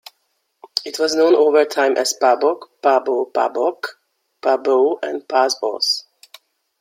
It was known over time as Paboc, Pabo, Pabok, Pabeau, and Pas-bos.